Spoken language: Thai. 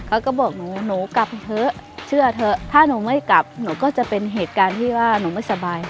เขาก็บอกหนูหนูกลับเถอะเชื่อเถอะถ้าหนูไม่กลับหนูก็จะเป็นเหตุการณ์ที่ว่าหนูไม่สบาย